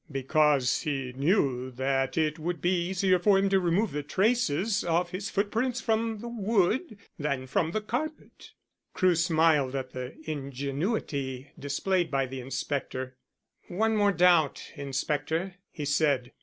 "Because he knew that it would be easier for him to remove the traces of his footprints from the wood than from the carpet." Crewe smiled at the ingenuity displayed by the inspector. "One more doubt, inspector," he said.